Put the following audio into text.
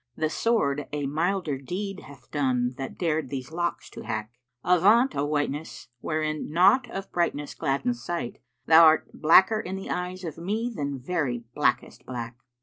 * The sword a milder deed hath done that dared these locks to hack. Avaunt, O Whiteness,[FN#463] wherein naught of brightness gladdens sight * Thou 'rt blacker in the eyes of me than very blackest black!'